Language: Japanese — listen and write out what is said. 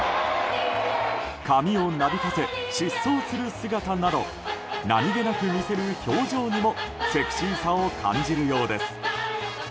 髪をなびかせ疾走する姿など何気なく見せる表情にもセクシーさを感じるようです。